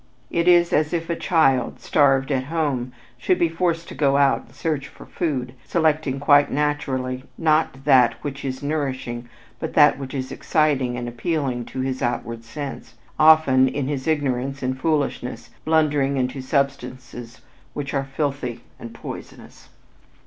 It is as if a child, starved at home, should be forced to go out and search for food, selecting, quite naturally, not that which is nourishing but that which is exciting and appealing to his outward sense, often in his ignorance and foolishness blundering into substances which are filthy and poisonous.